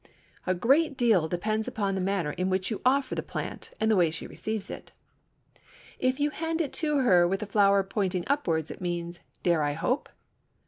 A great deal depends upon the manner in which you offer the plant and the way she receives it. If you hand it to her with the flower pointing upward it means, "Dare I hope?"